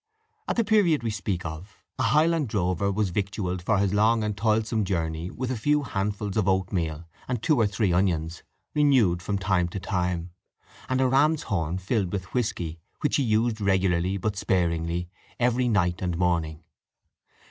At the period we speak of, a Highland drover was victualled for his long and toilsome journey with a few handfuls of oatmeal and two or three onions, renewed from time to time, and a ram's horn filled with whisky, which he used regularly, but sparingly, every night and morning.